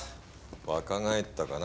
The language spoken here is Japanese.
若返ったかな？